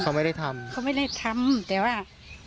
เขาไม่ได้ทำเขาไม่ได้ทำแต่ว่า